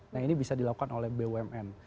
nah ini bisa dilakukan oleh bumn